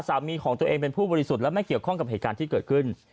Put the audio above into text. สามีของตัวเองเป็นผู้บริสุทธิ์และไม่เกี่ยวข้องกับเหตุการณ์ที่เกิดขึ้น